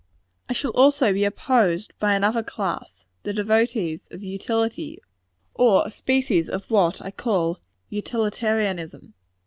I shall also be opposed by another class the devotees of utility, or a species of what I call utilitarianism.